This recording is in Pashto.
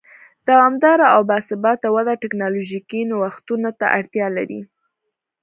دوامداره او با ثباته وده ټکنالوژیکي نوښتونو ته اړتیا لري.